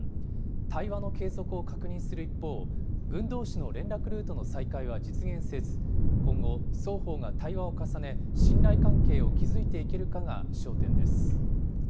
対話の継続を確認する一方、軍どうしの連絡ルートの再開は実現せず、今後、双方が対話を重ね、信頼関係を築いていけるかが焦点です。